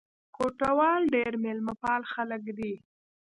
کوټوال ډېر مېلمه پال خلک دي.